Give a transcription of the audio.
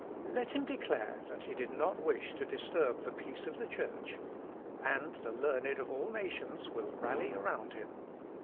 Let him declare that he did not wish to disturb the peace of the Church, and the learned of all nations will rally around him....